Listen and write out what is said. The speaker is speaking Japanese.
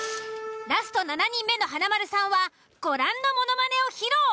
ラスト７人目の華丸さんはご覧のものまねを披露。